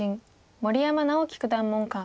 森山直棋九段門下。